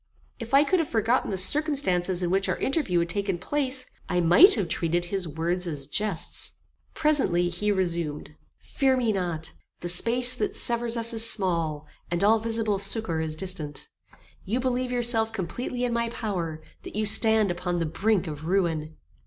If I could have forgotten the circumstances in which our interview had taken place, I might have treated his words as jests. Presently, he resumed: "Fear me not: the space that severs us is small, and all visible succour is distant. You believe yourself completely in my power; that you stand upon the brink of ruin.